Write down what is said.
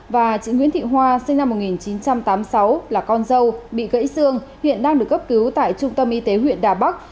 và chị nguyễn thị hoa sinh năm một nghìn chín trăm tám mươi sáu là con dâu bị gãy xương hiện đang được cấp cứu tại trung tâm y tế huyện đà bắc